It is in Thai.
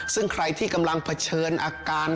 ซึ่งใครที่กำลังเผชิญอาการ